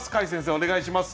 お願いします。